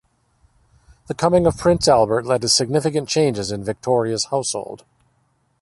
The coming of Prince Albert led to significant changes in Victoria's household.